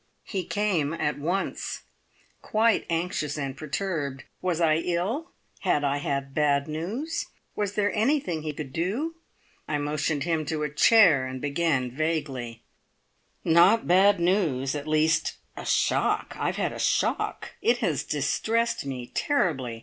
He came at once; quite anxious and perturbed. Was I ill? Had I had bad news? Was there anything he could do? I motioned him to a chair, and began vaguely: "Not bad news at least a shock! I've had a shock! It has distressed me terribly!